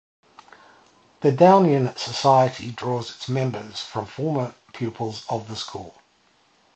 The Downian Society draws its membership from former pupils of the school.